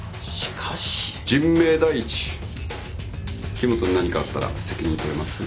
木元に何かあったら責任取れます？